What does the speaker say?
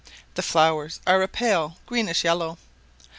The flowers are a pale greenish yellow.